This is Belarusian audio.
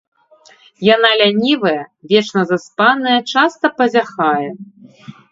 Яна лянівая, вечна заспаная, часта пазяхае.